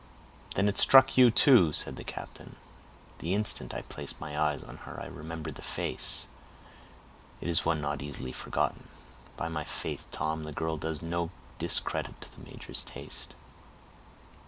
"Then it struck you too?" said the captain. "The instant I placed my eyes on her I remembered the face; it is one not easily forgotten. By my faith, Tom, the girl does no discredit to the major's taste."